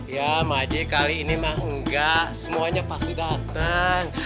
ya maji kali ini mah enggak semuanya pasti datang